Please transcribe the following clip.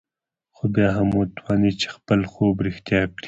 خو بيا هم وتوانېد چې خپل خوب رښتيا کړي.